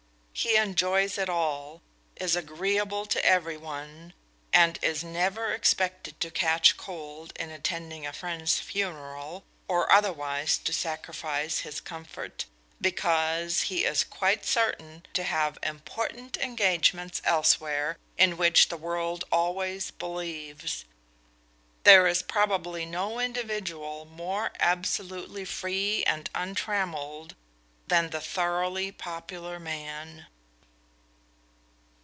He enjoys it all, is agreeable to every one, and is never expected to catch cold in attending a friend's funeral, or otherwise to sacrifice his comfort, because he is quite certain to have important engagements elsewhere, in which the world always believes. There is probably no individual more absolutely free and untrammeled than the thoroughly popular man.